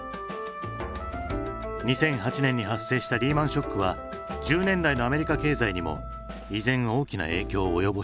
２００８年に発生したリーマンショックは１０年代のアメリカ経済にも依然大きな影響を及ぼしていた。